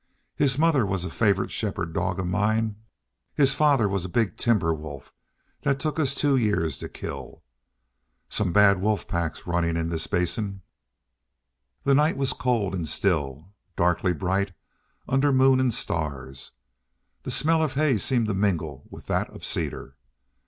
His mother was a favorite shepherd dog of mine. His father was a big timber wolf that took us two years to kill. Some bad wolf packs runnin' this Basin." The night was cold and still, darkly bright under moon and stars; the smell of hay seemed to mingle with that of cedar.